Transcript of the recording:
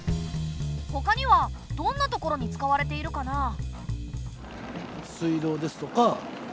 ほかにはどんなところに使われているかな？